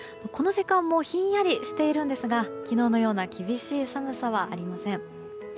この時間もひんやりしているんですが昨日のような厳しい寒さはありません。